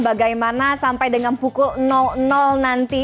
bagaimana sampai dengan pukul nanti